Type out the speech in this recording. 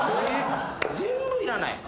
全部いらない。